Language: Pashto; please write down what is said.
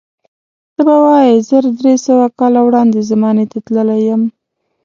ته به وایې زر درې سوه کاله وړاندې زمانې ته تللی یم.